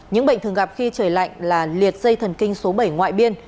những bệnh thường gặp khi trời lạnh là liệt dây thần kinh số bảy ngoại biên